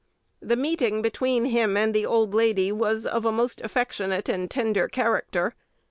The meeting between him and the old lady was of a most affectionate and tender character.